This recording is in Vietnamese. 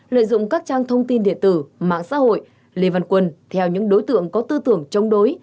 lợi dụng các trang thông tin điện tử mạng xã hội lê văn quân theo những đối tượng có tư tưởng chống đối